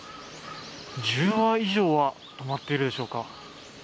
１０羽以上は止まっているでしょうか。